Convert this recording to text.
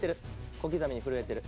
小刻みに震えてる。